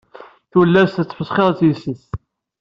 Tullas ad tmesxirent yes-s.